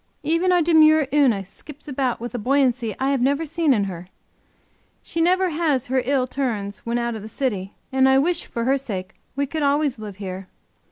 Even our demure Una skips about with a buoyancy I have never seen in her; she never has her ill turns when out of the city, and I wish, for her sake, we could always live here.